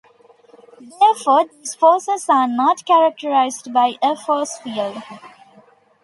Therefore these forces are not characterized by a force field.